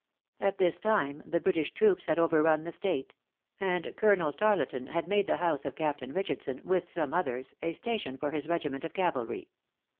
At this time the British troops had overrun the State; and Colonel Tarleton had made the house of Captain Richardson, with some others, a station for his regiment of cavalry.